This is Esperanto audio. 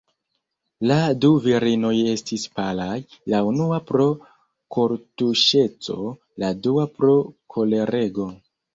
La du virinoj estis palaj, la unua pro kortuŝeco, la dua pro kolerego.